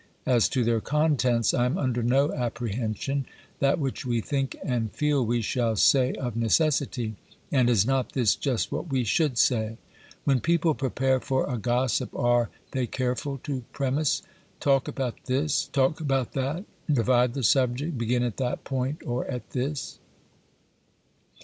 As to their contents, I am under no appre hension ; that which we think and feel we shall say of necessity, and is not this just what we should say? When people prepare for a gossip are they careful to premise : Talk about this, talk about that ; divide the subject, begin at that point or at this